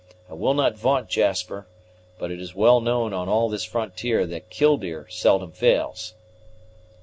I will not vaunt, Jasper; but it is well known on all this frontier that Killdeer seldom fails."